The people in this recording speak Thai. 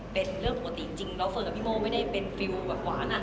เป็นเรื่องปกติจริงแล้วเฟิร์นกับพี่โม่ไม่ได้เป็นฟิลแบบหวาน